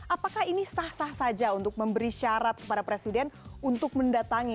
apakah ini sah sah saja untuk memberi syarat kepada presiden untuk mendatangi